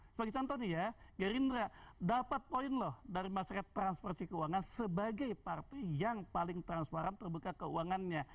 sebagai contoh nih ya gerindra dapat poin loh dari masyarakat transparansi keuangan sebagai partai yang paling transparan terbuka keuangannya